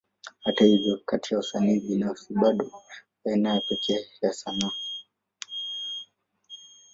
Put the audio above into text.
Hata hivyo, kati ya wasanii binafsi, bado ni aina ya pekee ya sanaa.